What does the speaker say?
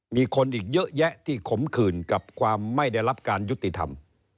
มีคนอีกเยอะแยะที่ขมขื่นกับความไม่ได้รับการยุติธรรม